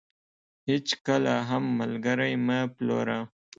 هيچ کله هم ملګري مه پلوره .